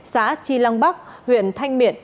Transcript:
xã chi lăng bắc huyện thanh miện